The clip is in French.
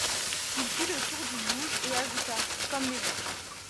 Il fit le tour du bouge et ajouta : Comme les autres.